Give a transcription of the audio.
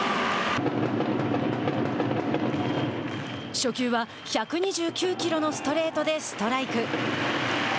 初球は１２９キロのストレートでストライク。